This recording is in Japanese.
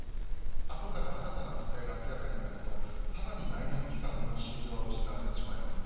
後から新たな不正が明らかになるとさらに内燃機関の信用が失われてしまいます。